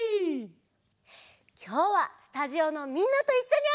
きょうはスタジオのみんなといっしょにあそぶよ！